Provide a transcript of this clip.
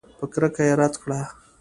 په کرکه یې رد کړه.